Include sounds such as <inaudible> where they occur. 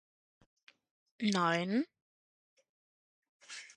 ... Nein ... <noise>